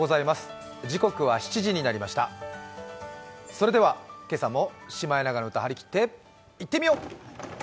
それでは今朝も「シマエナガの歌」張り切って、いってみよう！